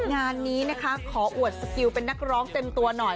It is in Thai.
งานนี้นะคะขออวดสกิลเป็นนักร้องเต็มตัวหน่อย